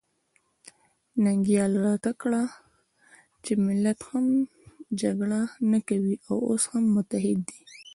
ننګیال راته کړه چې ملت خو جګړه نه کوي او اوس هم متحد دی.